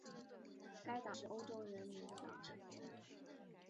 该党是欧洲人民党成员。